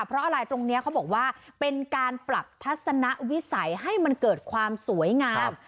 เพราะอะไรตรงนี้เขาบอกว่าเป็นการปรับทัศนวิสัยให้มันเกิดความสวยงาม